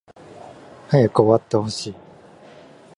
早く終わってほしい